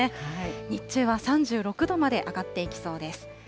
日中は３６度まで上がっていきそうです。